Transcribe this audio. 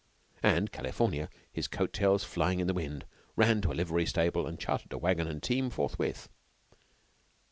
And California, his coat tails flying in the wind, ran to a livery stable and chartered a wagon and team forthwith.